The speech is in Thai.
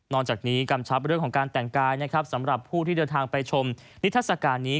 นอนจากนี้กรรมชับเรื่องของการแต่งกายสำหรับผู้ที่เดินทางไปชมนิทราชการนี้